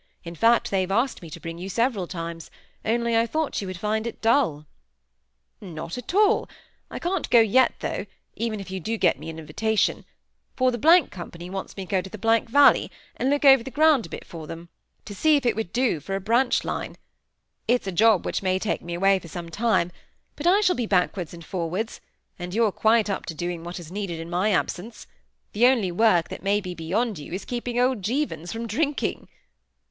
"In fact, they've asked me to bring you several times: only I thought you would find it dull." "Not at all. I can't go yet though, even if you do get me an invitation; for the —— Company want me to go to the —— Valley, and look over the ground a bit for them, to see if it would do for a branch line; it's a job which may take me away for some time; but I shall be backwards and forwards, and you're quite up to doing what is needed in my absence; the only work that may be beyond you is keeping old Jevons from drinking."